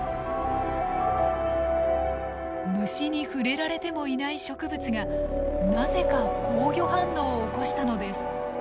虫に触れられてもいない植物がなぜか防御反応を起こしたのです。